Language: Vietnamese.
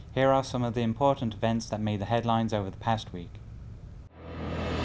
đây là những thông tin đối ngoại nổi bật trong tuần qua